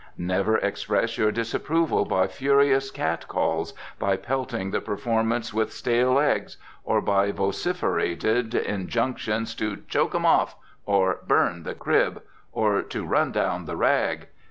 Never express your disapproval by furious catcalls, by pelting the performers with stale eggs, or by vociferated injunctions to "choke 'em off," to "burn the crib," or to "run down the rag."